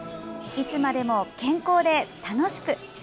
いつまでも健康で、楽しく。